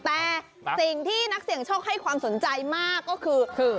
แต่สิ่งที่นักเสี่ยงโชคให้ความสนใจมากก็คือ